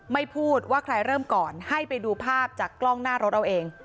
ไม่พูดว่าใครเริ่มก่อนให้ไปดูภาพจากกล้องหน้ารถเอาเอง